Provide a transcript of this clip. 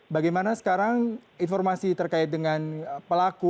bagaimana sekarang informasi terkait dengan pelaku